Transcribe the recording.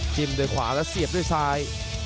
ด้วยขวาแล้วเสียบด้วยซ้าย